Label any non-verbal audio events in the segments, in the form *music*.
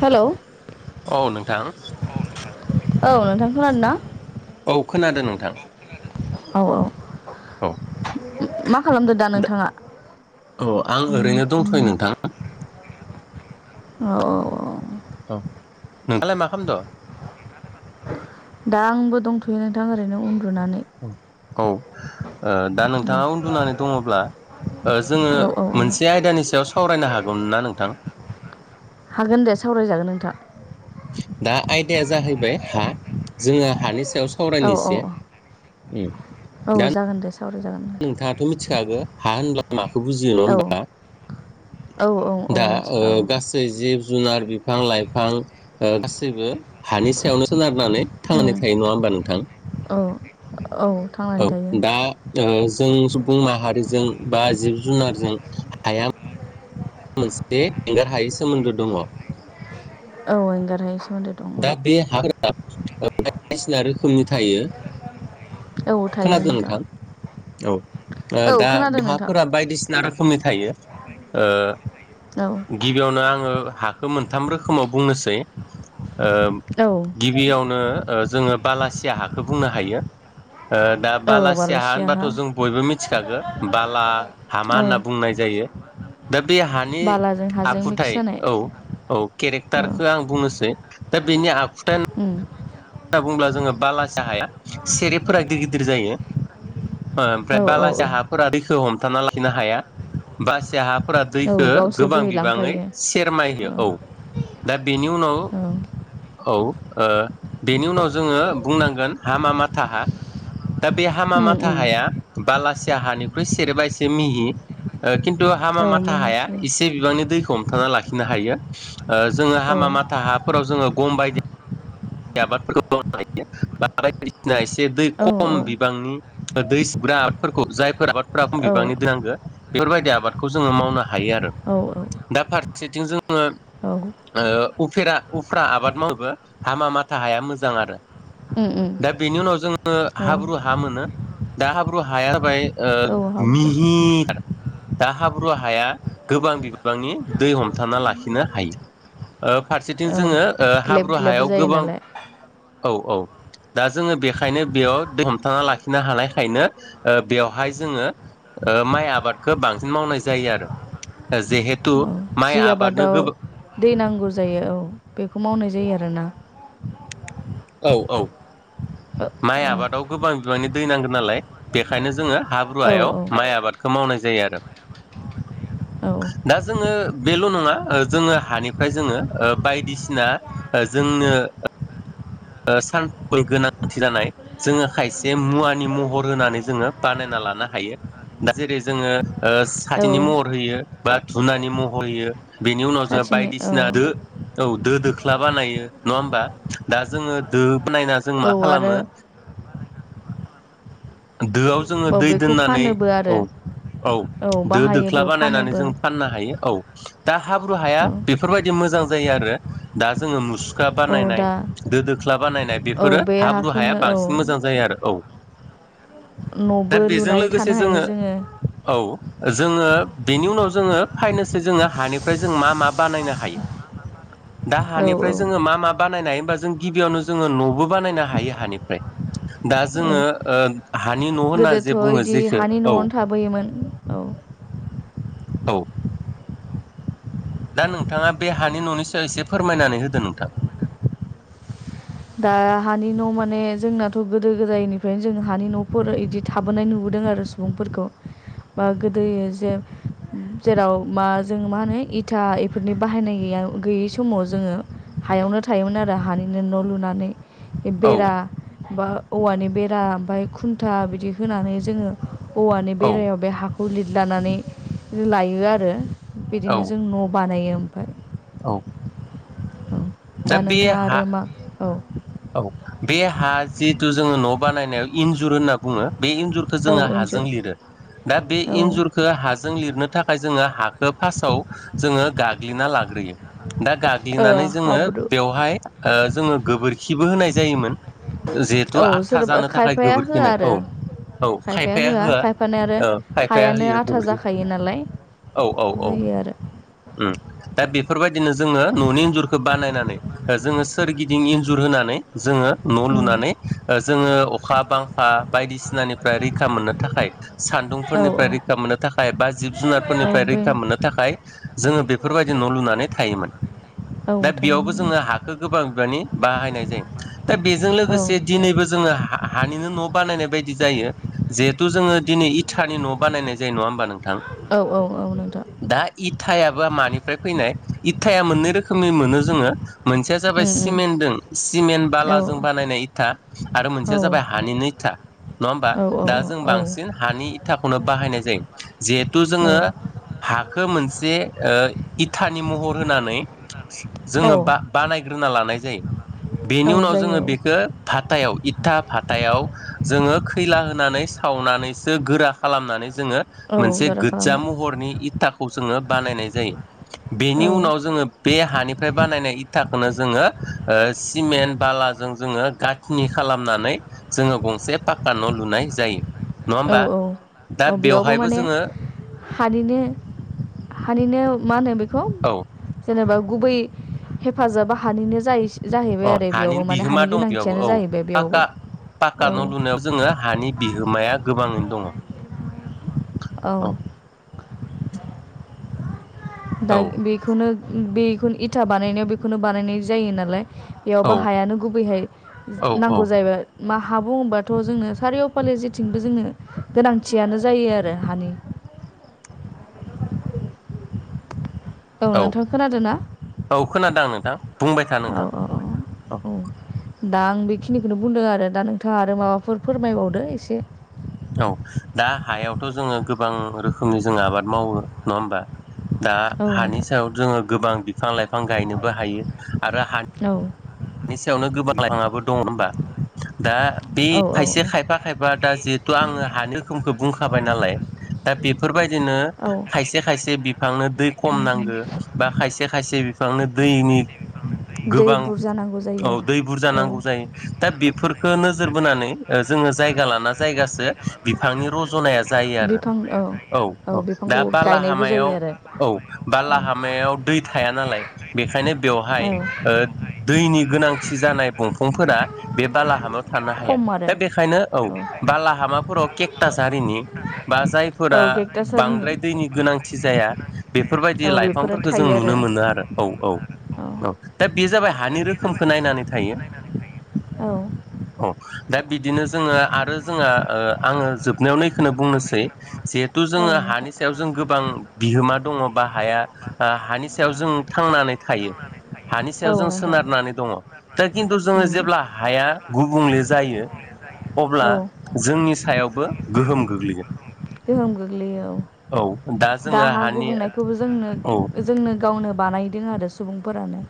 Hello औ औ नोंथां। औ नोंथां खोनादोंना? औ खोनादों नोंथां। औ औ औ मा खालामदो दा नोंथाङा? औ आं ओरैनो दंथ'यो नोंथां। औ औ औ। औ नोंहालाय मा खालामदो? दा आंबो दंथ'यो नोंथां ओरैनो उन्दुनानै औ दा नोंथाङा उन्दुनानै दङब्ला जोङो औ औ औ मोनसे आयदानि सायाव सावरायनो हागौमोन ना नोंथां हागोन दे सावराय जागोन नोंथां दा आयदाया जाहैबाय हा जोङो हानि सायाव औ सावरायनो औ एसे उम औ औ जागोन दे सार नोंथाङाथ' मिथिखागो हा होनब्ला मा खौ बुजियो नङा औ होमबा औ औ औ दा ओ मिथिखागौ गासै जिब जुनार बिफां लाइफां गासैबो हानि सायावनो सोनारनानै थांनानै थायो नङा होमबा नोंथां? औ औ थांनानै औ थायो दा जोङो जों सुबुं माहारिजों बा जिब जुनारजों हाया मोनसे एंगार हायै सोमोन्दो दङ। औ एंगार हायै दा बे हा *unintelligible* बायदिसिना रोखोमनि थायो। औ थायो खोनादों नोंथां? औ औ दा खोनादों हा नोंथां फोरा बायदिसिना रोखोमनि थायो। ओ औ गिबियावनो आङो हाखौ मोनथाम रोखोमाव बुंनोसै ओ औ गिबियावनो जोङो बालासिया हाखौ बुंनो हायो ओ दा बालासिया हा होनबाथ' जों बयबो मिथिखागो बाला हामा औ होनना बुंनाय जायो। दा बे हानि बालाजों हाजों मिक्स आखुथाय जानाय औ औ औ केरेक्टारखो आं बुंनोसै दा बेनि आखु उम होनना बुङोब्ला जोङो बाला सिया हाया सेरेफफोरा गिदिर गिदिर जायो ओमफ्राय औ बालासिया औ हाफोरा दैखौ हमथाना लाखिनो हाया। बाला सिया हा फोरा औ दैखौ गावसो गोबां बिबाङै बोहैलांफायो सेरमाय होयो औ। दा बेनि उनाव, औ औ ओ बेनि उनाव जोङो बुंनांगोन हामा माथा हा। दा बे हामा उम माथा उम हाया बालासिया हानिख्रुइ सेरेबा एसे मिहि ओ खिन्थु हामा औ माथा हाया मिहिसै एसे बिबांनि दैखौ हमथाना लाखिनो हायो। ओ जोङो औ हामा माथा हाफोराव जोङो गम बायदि आबाद *unintelligible* मावनो हायो बायदिसिना एसे दै औ खम औ बिबांनि दै सुग्रा आबादफोरखौ *inaudible* फ्रा खम बिबांनि दै नांगो बेफोर बायदि आबादखौ जोङो मावनो हायो आरो। औ दा फार सेथिं जोङो ओ उफेरा उफ्रा आबाद मावनोबो हामा मा था हाया मोजां आरो। उम उम दा बेनि उनाव जोङो ङो औ हाब्रु हा मोनो दा हाब्रु हाया जाबाय औ हाब्रु मिहि थार दा हाब्रु हाया गोबां बिबांनि दै हमथाना लाखिनो हायो। ओ फारसेथिं औ जोङो ग्लेब हाब्रु ग्लेब हायाव जायो गोबां नालाय औ औ दा जोङो बेखायनो बेयाव हमथाना लाखिनो हानायखायनो ओ बेवहाय जोङो ओ माइ आबादखौ बांसिन मावनाय जायो आरो। जिहेथु औ माइ जि आबादनो आबादाव गोब दै नांगौ जायो औ बेखौ मावनाय जायो आरोना। औ औ औ माइ आबादाव गोबां बिबांनि दै नांगो नालाय बेखायनो जोङो हाब्रु औ हायाव माइ आबादखौ मावनाय जायो आरो। औ दा जोङो बेल' नङा ओ जोङो हानिफ्राय जोङो बायदिसिना जों *unintelligible* ओ सानफोर गोनांथि जानाय जोङो खायसे मुवानि महर होनानै जोङो बानायनानै लानो हायो दा जेरै जोङो ओ औ साथिनि महर होयो, बा धुनानि महर होयो। बेनि उनाव जोङो साथिनि औ बायदिसिना दो औ दो दोख्ला बानायो नङा होमबा। दा जोङो दो बनायना जों औ मा आरो खालामो? दोआव जोङो औ दै बेखौ दोननानै फानोबो आरो औ औ दो दोख्ला बाहायोबो बानायनानै फानोबो जों फाननो हायो। औ दा हाब्रु हाया औ बेफोरबायदि मोजां जायो आरो। दा जोङो मुसुखा औ बानायनाय दा दो दोख्ला बानायनाय औ बेफोरो बे हाब्रु हाखौनो हाया औ बांसिन मोजां जायो आरो। औ न'बो दा बेजों लुनानै थानो लोगोसे हायो जोङो औ जोङो बेनि उनाव जोङो फाइनसै जोङो हानिफ्राय जों मा मा बानायनो हायो? दा औ औ हानिफ्राय जोङो मा मा बानायनाय होनबा जों गिबियावनो जोङो न'बो बानायनो हायो हानिफ्राय दा औ जोङो ओ हानि न' होनना गोदोथ' जे बुङो इदि जेखो हानि औ न'आवनो थाबोयोमोन औ औ दा नोंथाङा बे हानि न'नि सायाव एसे फोरमायनानै होदो नोंथां। दा हानि न' माने जोंनाथ' गोदो गोदायनिफ्रायनो जों हानि न'फोर बिदि थाबोनाय नुबोदों। आरो सुबुंफोरखौ बा गोदो जे जेराव मा जों मा होनो इथा बेफोरनि बाहायनाय गैया गैयै समाव जोङो हायावनो थायोमोन आरो हानिनो न' लुनानै बेरा औ बा औवानि बेरा ओमफ्राय खुन्था बिदि होनानै जोङो औवानि औ बेरायाव बे हा लिरलानानै लायो आरो। बिदिनो औ जों न' बानायो ओमफ्राय। औ दा बे नोंथाङा हा आरो मा औ औ बे हा जिहेथु जोङो न' बानायनायाव इन्जुर होनना बुङो। बे इन्जुरखो औ जोङो हाजों इन्जुर लिरो दा बे औ इन्जुरखो हा जों लिरनो थाखाय जोङो हाखौ फासाव जोङो गाग्लिना लाग्रोयो। दा ओ गाग्लिनानै जोङो हाब्रु बेवहाय ओ जोङो ओ गोबोरखिबो होनाय जायोमोन। जिहेथु औ आदथा सोरबा जानो थाखाय खायफाया गोबोरखि होआ होनाय औ आरो औ खायफाया होआ ओ खायफाया हायानो होयो आथा गोबोरखि जाखायो नालाय औ औ औ होयो आरो उम दा बेफोरबायदिनो जोङो न'नि इन्जुरखो बानायनानै ओ जोङो सोरगिदिं इन्जुर होनानै जोङो न' उम लुनानै ओ जोङो अखा बां खा बायदिसिनानिफ्राय रैखा मोननो थाखाय औ औ सान्दुंफोरनिफ्राय रैखा मोननो थाखाय बा जिब औ जुनारफोरनिफ्राय बे रैखा मोननो थाखाय जोङो बेफोरबायदि न' लुनानै थायोमोन। औ थायोमोन नोंथां खो गोबां बिबांनि बाहायनाय जायो दा बेजों औ लोगोसे दिनैबो जोङो हा- हानिनो न' बानायनाय बायदि जायो जहेतु जोङो दिनै इथानि न' बानायनाय जायो नङा होमबा नों औ औ औ नोंथां। इथायाबा मानिफ्राय फैनाय इथाया मोननै रोखोमनि मोनो जोङो। मोनसेया जाबाय उम उम सिमेन्टदों सिमेन्ट औ बालाजों बानायनाय इथा आरो औ मोनसेया जाबाय हानिनो इथा नङा होमबा दा जों औ बांसिन हानि इथाखौनो बाहायनाय जायो। जिहेतु औ जोङो हाखो मोनसे इथानि महर होनानै जोङो औ बा बानायग्रोना लानाय जायो बेनि औ उनाव जोङो जायो औ बेखो भात तायाव इथा भातायाव जोङो खैला होनानै सावनानैसो गोरा खालामनानै जोङो औ मोनसे बारा गोदजा खालामला महरनि थाखौ जोङो बानायनाय जायो बेनि औ उनाव जोङो बे हानिफ्राय बानायनाय इथाखोनो जोङो ओ सिमेन्ट बालाजों जोङो गाथनि खालामनानै जोङो गंसे पाक्का न' लुनाय जायो। नङा औ होमबा औ दा औ बेयावबो बेवहायबो माने जोङो हानिनो-हानिनो मा होनो बेखौ औ खौ जेनेबा गुबै हेफाजाबा हानिनो जायो अ जाहैबाय आरो हानि बेयावबो माने बिहोमा हानि दं बेयावबो गोनांथियानो औ जाहैबाय बेयावबो पाक्का औ पाक्का न' लुनायाव जोङो हानि बिहोमाया गोबाङैनो दङ' औ दा औ बेखौनो बेखौन इथा बानायनायाव बेखौनो बानायनाय जायो नालाय औ बेयावबो हायानो गुबैहाय औ औ नांगौ जायोबाय मा हा बुङोबाथ' जोङो सारिय' फाले जेथिंबो जोंनो गोनांथियानो जायो आरो हानि औ नोंथां खोनादों ना औ खोनादों आं नोंथां बुंबाय था औ नोंथां औ औ औ दा आं बेखिनिखौनो बुंदों आरो दा नोंथाङा आरो माबाफोर फोरमायबावदो एसे औ दा हायावथ' जोङो गोबां रोखोमनि जोंङो आबाद मावो नङा होमबा? दा औ हानि नोंथां सायाव जोङो गोबां बिफां लाइफां गायनोबो हायो आरो हा औ नि सायावनो गोबां लाइफाङाबो दङ होनबा दा बे औ औ खायसे औ खाय फा खायफा दा जिहेथु आङो हानि रोखोमखौ बुंखाबाय नालाय दा बेफोरबायदिनो औ खायसे खायसे बिफांनो दै खम नांगौ बा खायसे खायसे बिफांनो दैनि दै गोबां बुरजानांगौ औ दै बुरजा नांगौ जायो। दा बेफोरखौ नोजोर बोनानै ओ जोङो जायगा लाना जायगासो बिफांनि रज'नाया जायो आरो औ औ दा बालाहामायाव जायो आरो औ बाला हा मायाव दै थाया नालाय बेनिखायनो बेवहाय ओ नि गोनांथि जानाय दंफांफोरा बे बालाहामाव थानो हाया। खम आरो दा बेखायनो औ बालाहामाफोराव केकटास हारिनि बा औ जायफोरा गेक्टासारनि बांद्राय दैनि गोनांथि जाया बेफोरबायदि औ बेफोरो लाइफांफोरखौ जों थायो आरो नुनो मोनो। आरो औ औ औ दा बे जाबाय हानि रोखोमखौ नायनानै थायो। औ औ दा बिदिनो जोङो आरो जोंहा ओ! आङो जोबनायाव नै इखौनो बुंनोसै जे थ' औ जोङो नोंथां हानि सायाव जों गोबां बिहोमा दङ बा हाया ओ! हानि सायाव जों थांनानै थायो हानि सायाव औ जों नोंथां सोनारनानै दङ दा खिन्थु जोङो उम जेब्ला हाया गुबुंले जायो अब्ला औ जोंनि सायावबो गोहोम गोग्लैगोन गोहोम गोग्लैयो औ दा हा गुबुंनायखौबो जोंनो औ जोंनो गावनो बानायदों आरो सुबुंफोरानो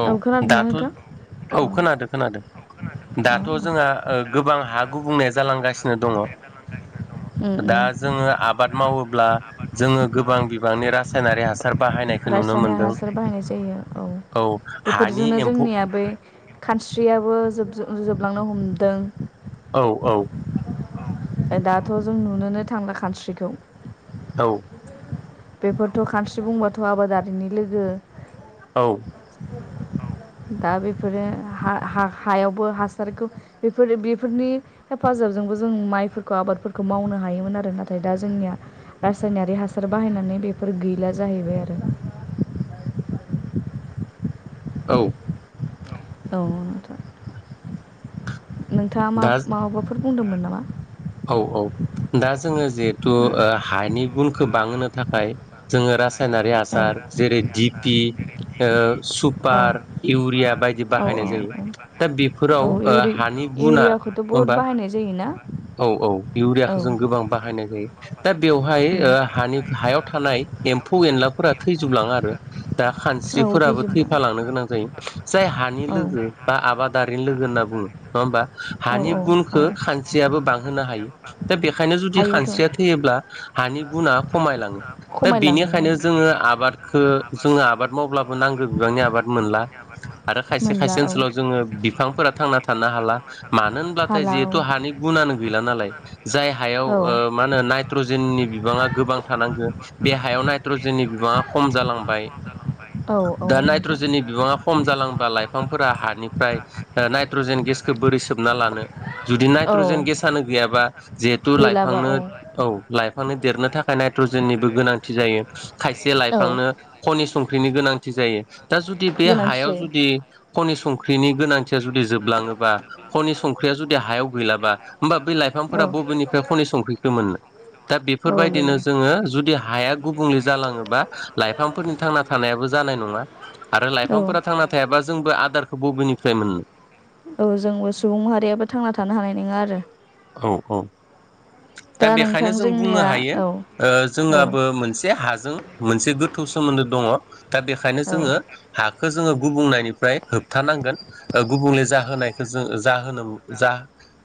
औ खोनादोंना दाथ' नोंथां औ खोनादों खोनादादों औ दाथ' जोंहा गोबां हा गुबुंनाया जालांगासिनो दङ उम दा उम जोङो आबाद मावोब्ला जोङो गोबां बिबांनि रासायनारि हासार बाहायनायखौ नुनो रासायनारि मोनदों हासार बाहायनाय जायो औ हानि बेफोरजोंनो एम्फौ जोंनिया बै खानस्रियाबो जोबलां नो हमदों औ औ दाथ' जों नुनोनो थांला खानस्रिखौ औ बेफोरथ' खानस्रि बुंबाथ' आबादारिनि लोगो औ दा बेफोरो हायावबो हासारखौ बेफोरो बेफोरनि हेफाजाब ज जों माइफोरखौ आबादफोरखौ मावनो हायोमोन आरो नाथाय दा जोंनिया रासायनारि हासार बाहायनानै बेफोर गैला जाहैबाय आरो *inaudible* औ औ नोथां नोंथाङा मा दा माबाफोर बुंदोंमोन नामा औ औ दा जोङो जिहेथु हानि गुनखौ बांहोनो थाखाय जोङो रायनारि आसार जेरै दिपि ओ सुपार इउरिया बायदि बाहायनाय जायो दा बेफोराव ओ हानि गुना बुहुद होमबा बाहायनाय जायोना औ औ औ इउरियाखौ जों गोबां बाहायनाय दा बेवहाय ओ हानि हायाव थानाय एम्फौ एनलाफोरा थैजोबलाङो आरो दा आरो औ खानस्रिफोराबो थैजोबबाय थैफालांनो गोनां जायो जाय हानि औ लोगो बा आबाद दारि लोगो होनना बुङो नडा होनबा औ हानि गुनखौ खान खानस्रियाबो बांहोनो हायो दा बेखायनो जुदि हायोथ' खानस्रिया थैयोब्ला हानि गुनाआ खमायलाङो दा बेनिखायनो जोङो आबादखौ जोङो आबाद मावब्लाबो नांगौ बिबांनि आबाद मोनला आरो खायसे मोनला खायसे औ ओनसोलाव जोङो बिफांफोरा थांना थानो हाला मानो होनब्लाथाय हाला हाला औ जिहेथु हानि गुनानो गैला नालाय। जाय हायाव औ ओ मा होनो नाय नाइट्रजेननि बिबाङा गोबां थानांगौ बे हायाव नाइट्रजेननि बिबाङा खम जालांबाय औ औ दा नोंथां नाइट्रजेननि बिबाङा खम जालांबा लाइफांफोरा हानिफ्राय नायट्रजेन गेसखौ बोरै सोबना लानो जुदि नाइट्रजेन गेसानो गैयाबा जिहेथु लाइफांनो औ लाइांनो देरनो थाखाय नायट्रजेननिबो गोनांथि जायो खायसे लाइफांनो खनि संख्रिनि गोनांथि जायो दा जुदि बे गोनांथि हायाव जायो आरो जुदि खनि संख्रि संख्रिनि गोनांथिया जुदि जोबलाङोबा ख'नि संख्रिया जुदि हायाव गैलाबा होमबा बै लाइफांफोरा अब्ला बै बबेनिफ्राय ख'नि संख्रिखौ मोननो दा मोननो औ बेफोरबायदिनो जोङो जुदि हाया गुबुंले जालाङोबा लाइफांफोरनि थांना थानायाबो जानाय नङा आरो बेनो लाइफांफोरा थांना थायाबा जोंबो आदारखौ बबेनिफ्राय मोननो औ जोंबो सुबुं माहारियाबो थांना थानो हानाय नङा आरो। औ औ दा नोंथां बेखायनो जों बुंनो जोंनिया हायो औ ओ औ जोंहाबो मोनसे हाजों मोनसे गोथौ सोमोन्दो दङ दा बेखायनो औ जोङो हाखौ जोङो गुबुंनायनिफ्राय होबथानांगौ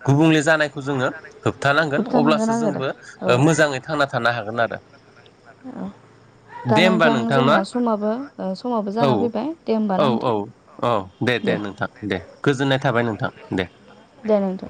गुबुंले जानायखौ जोङो होबथानो होबथानांगोन अब्लासो आरो जोंबो औ ओ मोजाङै थांना थानो हागोन आरो। औ दा दे होमबा नोंथां नोंथांना जोंना समाबो समाबो औ जाना फैबाय दे होमबा औ ना औ नोंथां औ। दे दे नोंथां दे गोजोननाय थाबाय नोंथां दे। दे नोंथां।